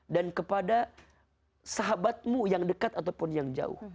dan kepada sahabatmu yang dekat ataupun yang jauh